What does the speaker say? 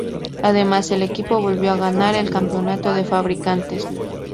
Además, el equipo volvió a ganar el Campeonato de Fabricantes.